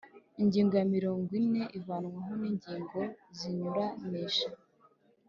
Ingingo ya mirongo ine Ivanwaho ry ingingo zinyuranije